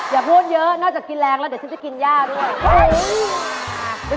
อย่าพูดเยอะนอกจากกินแรงแล้วเดี๋ยวฉันจะกินย่าด้วย